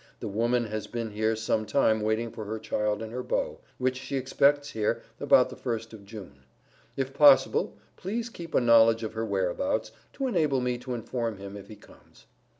The woman has been here some time waiting for her child and her beau, which she expects here about the first of June. If possible, please keep a knowledge of her whereabouts, to enable me to inform him if he comes.